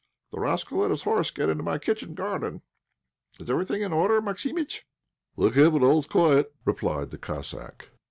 The rascal let his horse get into my kitchen garden. Is everything in order, Maximitch?" "Thank heaven! all is quiet," replied the Cossack.